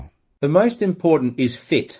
yang paling penting adalah fitur